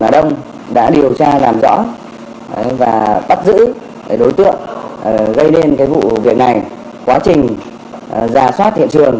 đối tượng gây nên vụ việc này quá trình giả soát hiện trường